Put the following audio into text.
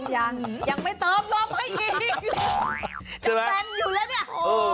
ยังไม่เติมรอบไว้อีกจะแฟนอยู่แล้วเนี่ยโอ๊ย